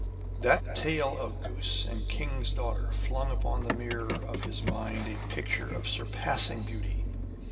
That tale of goose and king's daughter flung upon the mirror of his mind a picture of surpassing beauty.